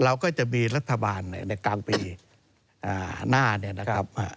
เราก็จะมีรัฐบาลในกลางปีหน้าเนี่ยนะครับ